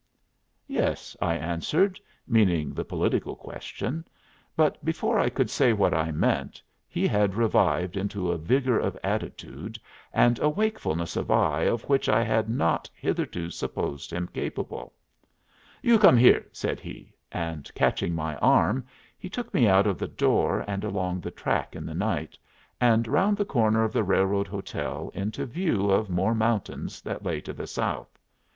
"Yes," I answered, meaning the political question. But before I could say what I meant he had revived into a vigor of attitude and a wakefulness of eye of which I had not hitherto supposed him capable. "You come here," said he; and, catching my arm, he took me out of the door and along the track in the night, and round the corner of the railroad hotel into view of more mountains that lay to the south.